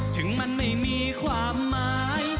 ถึงมันไม่มีความหมาย